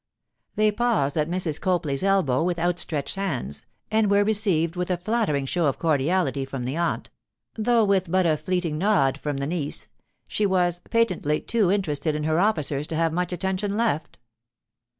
They paused at Mrs. Copley's elbow with outstretched hands, and were received with a flattering show of cordiality from the aunt, though with but a fleeting nod from the niece; she was, patently, too interested in her officers to have much attention left.